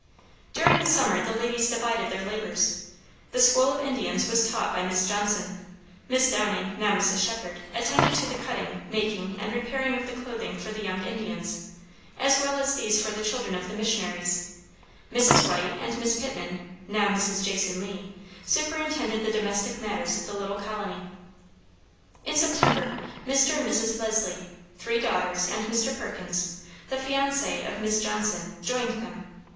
During the summer the ladies divided their labors; the school of Indians was taught by Miss Johnson; Miss Downing (now Mrs. Shepherd) attended to the cutting, making, and repairing of the clothing for the young Indians, as well as these for the children of the missionaries; Mrs. White and Miss Pitman (now Mrs. Jason Lee) superintended the domestic matters of the little colony. In September, Mr. and Mrs. Leslie, three daughters, and Mr. Perkins the fiancé of Miss Johnson, joined them.